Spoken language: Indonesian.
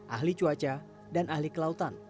ahli cuaca dan ahli kelautan